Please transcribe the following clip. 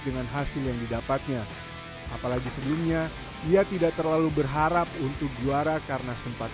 dengan hasil yang didapatnya apalagi sebelumnya ia tidak terlalu berharap untuk juara karena sempat